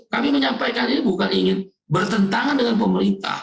kami menyampaikan ini bukan ingin bertentangan dengan pemerintah